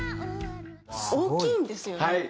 大きいんですよね。